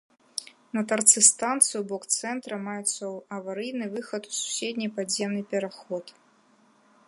На тарцы станцыі ў бок цэнтра маецца аварыйны выхад у суседні падземны пераход.